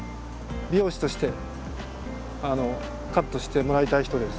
美容師としてカットしてもらいたい人です。